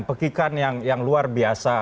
pekikan yang luar biasa